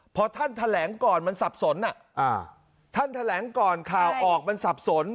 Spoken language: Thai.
พอท่านแถลงก่อนมันสับสนท่านแถลงก่อนข่าวออกมันสับสน